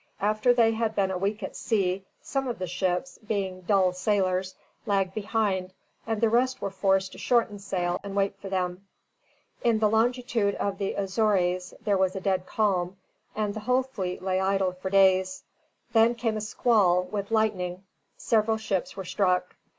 After they had been a week at sea, some of the ships, being dull sailers, lagged behind, and the rest were forced to shorten sail and wait for them. In the longitude of the Azores there was a dead calm, and the whole fleet lay idle for days. Then came a squall, with lightning. Several ships were struck.